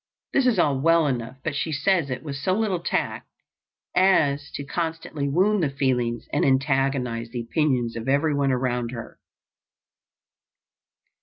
This is all well enough, but she says it with so little tact as to constantly wound the feelings and antagonize the opinions of everyone around her.